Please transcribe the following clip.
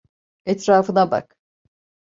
Etrafına bak.